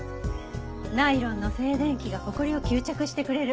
ナイロンの静電気がホコリを吸着してくれる。